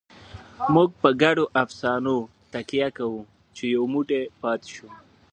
موږ په ګډو افسانو تکیه کوو، چې یو موټی پاتې شو.